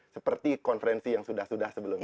seperti konferensi yang sudah sudah sebelumnya